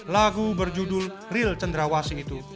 lagu berjudul real cendrawasi itu